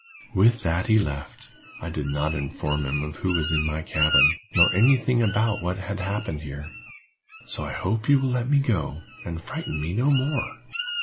With that he left. I did not inform him of who was in my cabin, nor any thing about what had happened here. So I hope you will let me go, and frighten me no more."